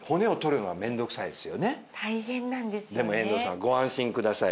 でも遠藤さんご安心ください。